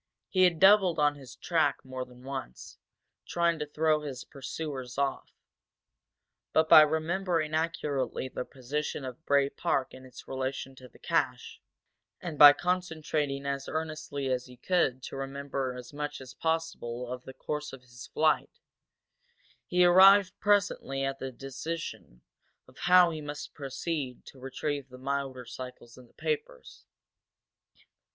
He had doubled on his track more than once, trying to throw his pursuers off. But by remembering accurately the position of Bray Park in its relation to the cache, and by concentrating as earnestly as he could to remember as much as possible of the course of his flight, he arrived presently at a decision of how he must proceed to retrieve the motorcycles and the papers.